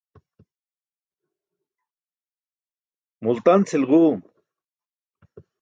Multan cʰilġuum.